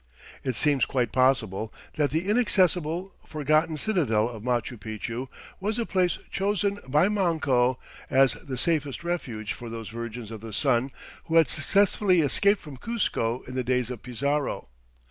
It seems quite possible that the inaccessible, forgotten citadel of Machu Picchu was the place chosen by Manco as the safest refuge for those Virgins of the Sun who had successfully escaped from Cuzco in the days of Pizarro.